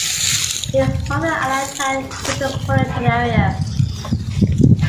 It is part of the Atlanta metropolitan area.